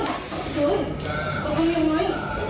สวัสดีครับคุณผู้ชาย